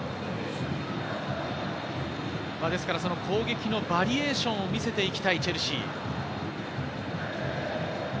攻撃のバリエーションを見せていきたいチェルシー。